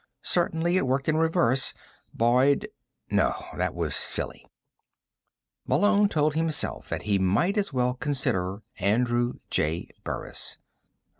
Certainly it worked in reverse. Boyd No. That was silly. Malone told himself that he might as well consider Andrew J. Burris.